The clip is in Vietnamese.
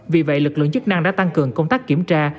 vì vậy lực lượng chức năng đã tăng cường công tác kiểm tra